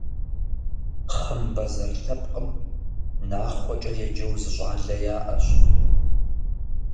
Хъымбэзэр лъэпкъым Нахъуэкӏэ еджэу зы щӏалэ яӏащ.